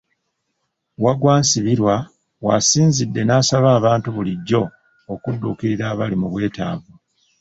Waggwa Nsibirwa w'asinzidde n'asaba abantu bulijjo okudduukirira abali mu bwetaavu.